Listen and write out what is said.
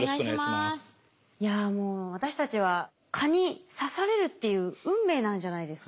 いやもう私たちは蚊に刺されるっていう運命なんじゃないですか？